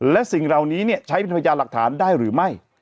และสิ่งเหล่านี้ใช้เป็นพยานหลักฐานได้หรือไม่